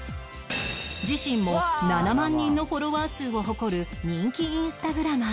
自身も７万人のフォロワー数を誇る人気インスタグラマー